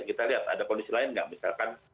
kita lihat ada kondisi lain nggak misalkan